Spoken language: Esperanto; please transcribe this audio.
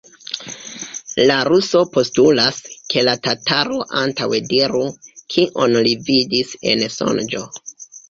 La ruso postulas, ke la tataro antaŭe diru, kion li vidis en sonĝo.